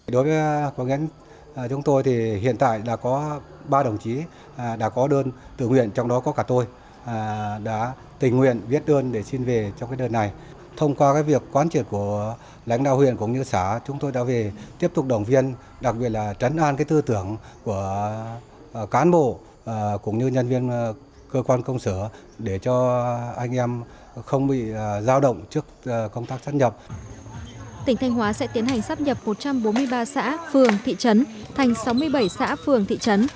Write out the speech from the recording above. tỉnh thành hóa sẽ tiến hành sáp nhập một trăm bốn mươi ba xã phường thị trấn thành sáu mươi bảy xã phường thị trấn